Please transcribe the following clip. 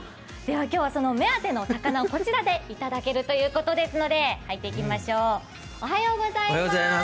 今日は目当ての魚をこちらでいただけるということで入っていきましょう。